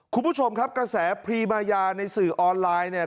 คุณผู้ชมครับกระแสพรีมายาในสื่อออนไลน์เนี่ย